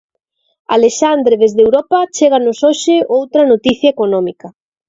Alexandre, desde Europa chéganos hoxe outra noticia económica.